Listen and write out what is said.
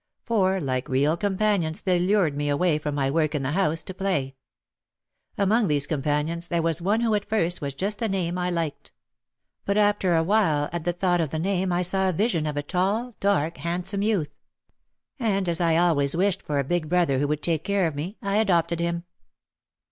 For like real companions they lured me away from my work in the house, to play. Among these companions there was one who at first was just a name I liked. But after a while at the thought 26 OUT OF THE SHADOW of the name I saw a vision of a tall, dark, handsome youth. And as I always wished for a big brother who would take care of me, I adopted him.